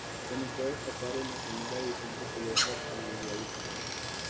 Comenzó a destacar en la primera división portuguesa con el Boavista.